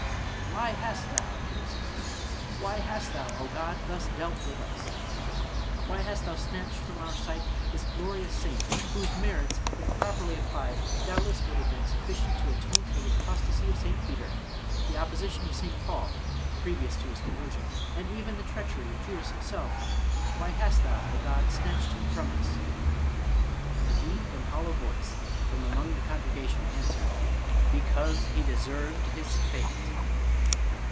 " Why hast thou," he exclaimed, " why. hast thou, Oh God ! thus dealt with us ? Why hast thou snatched from our sight this glorious saint, whose merits, if properly ap plied, doubtless would have been sufficient to atone for the apostasy of St. Peter, the opposition of St. Paul (previous to his conversion), and even the treachery of Judas himself? Why hast thou, Oh God ! snatched him from us ?"— and a deep and hollow voice from among the congregation an swered, —" Because he deserved his fate."